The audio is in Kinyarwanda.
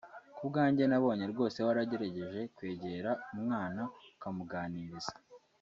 Ku bwanjye nabonye rwose waragerageje kwegera umwana ukamuganiriza